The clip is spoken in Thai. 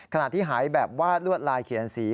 ขณะที่หายแบบวาดลวดลายเขียนสี